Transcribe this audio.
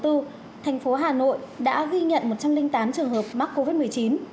tp hà nội đã ghi nhận một trăm linh tám trường hợp mắc covid một mươi chín